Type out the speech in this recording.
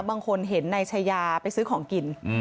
บางคนเห็นนายชายาไปซื้อของกิน